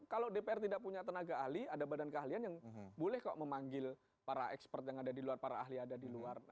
kalau dpr tidak punya tenaga ahli ada badan keahlian yang boleh kok memanggil para expert yang ada di luar para ahli ada di luar